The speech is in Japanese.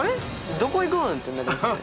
どこ行くん？」ってなりますね。